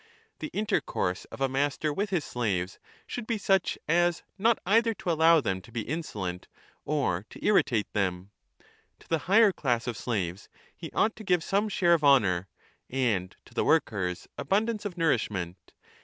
The intercourse of a master with his slaves should be such as not either to allow them to be insolent or to irritate them. 30 To the higher class of slaves he ought to give some share of honour, and to the workers abundance of nourishment.